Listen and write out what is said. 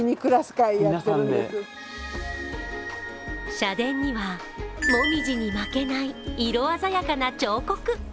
社殿には、紅葉に負けない色鮮やかな彫刻。